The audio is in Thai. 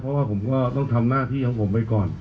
เพราะว่าผมก็ต้องทำหน้าที่ของผมไปก่อน